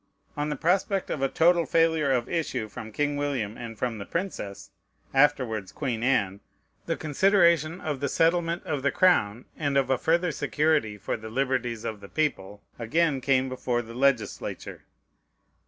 On the prospect of a total failure of issue from King William, and from the princess, afterwards Queen Anne, the consideration of the settlement of the Crown, and of a further security for the liberties of the people, again came before the legislature.